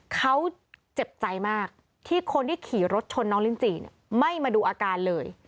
เขาเจ็บใจมากที่คนที่ขี่รถชนน้องลินจีไม่มาดูอาการเลย